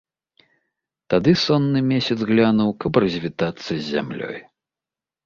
Тады сонны месяц глянуў, каб развітацца з зямлёй.